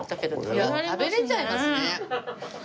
いや食べられちゃいますね。